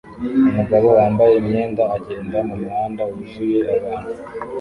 Umugabo wambaye imyenda agenda mumuhanda wuzuye abantu